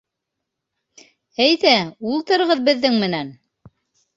Әйҙә, ултырығыҙ беҙҙең менән.